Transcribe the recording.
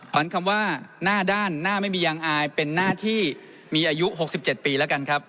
คำว่าหน้าด้านหน้าไม่มียางอายเป็นหน้าที่มีอายุ๖๗ปีแล้วกันครับ